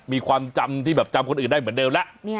มีความจำที่แบบจำคนอื่นได้เหมือนเดิมแล้ว